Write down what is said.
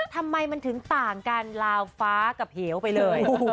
ทำไมมันถึงต่างกันลาวฟ้ากับเหวไปเลย